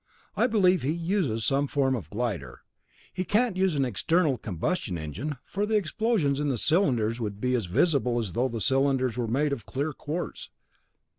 I believe he uses some form of glider. He can't use an internal combustion engine, for the explosions in the cylinders would be as visible as though the cylinders were made of clear quartz.